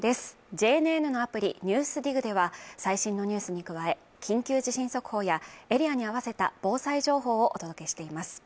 ＪＮＮのアプリ「ＮＥＷＳＤＩＧ」では最新のニュースに加え、緊急地震速報やエリアに合わせた防災情報をお届けしています。